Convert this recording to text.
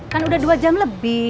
kan udah dua jam lebih